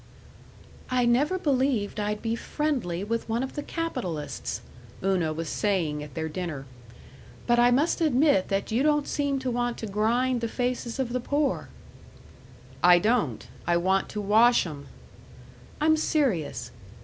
"I never believed I'd be friendly with one of the capitalists," Una was saying at their dinner, "but I must admit that you don't seem to want to grind the faces of the poor." "I don't. I want to wash 'em." "I'm serious."